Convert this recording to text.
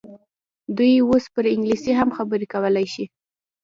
دوی اوس پر انګلیسي هم خبرې کولای شي.